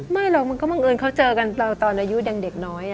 ไม่หรอกเกือบไปเขาเจอกันตอนอายุเด็กน้อย